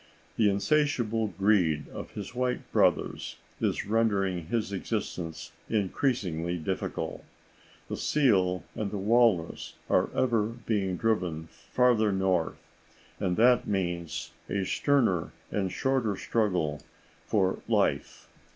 The insatiable greed of his white brothers is rendering his existence increasingly difficult. The seal and the walrus are ever being driven farther north, and that means a sterner and shorter struggle for life.